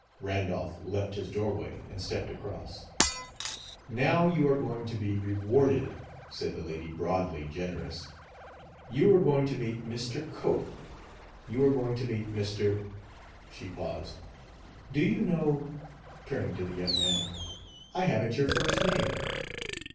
Randolph left his doorway and stepped across. "Now you are going to be rewarded," said the lady, broadly generous. "You are going to meet Mr. Cope. You are going to meet Mr. " She paused. "Do you know," turning to the young man, "I haven't your first name?"